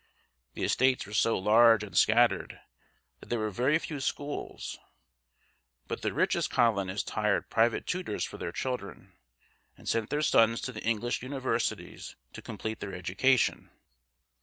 The estates were so large and scattered that there were very few schools; but the richest colonists hired private tutors for their children, and sent their sons to the English universities to complete their education.